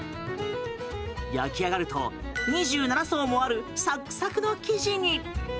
焼き上がると、２７層もあるサックサクの生地に。